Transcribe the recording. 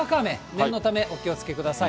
念のため、お気をつけください。